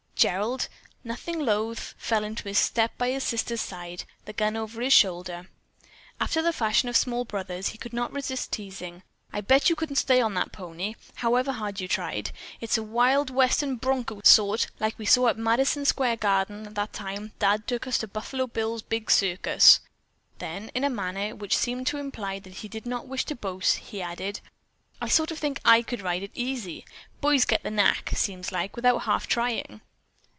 Gerald, nothing loath, fell into step by his sister's side, the gun over his shoulder. After the fashion of small brothers, he could not resist teasing. "I bet you couldn't stay on that pony, however hard you tried. It's a wild Western broncho sort, like those we saw at Madison Square Garden that time Dad took us to Buffalo Bill's big circus." Then, in a manner which seemed to imply that he did not wish to boast, he added: "I sort of think I could ride it easy. Boys get the knack, seems like, without half trying."